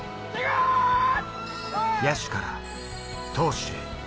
野手から投手へ。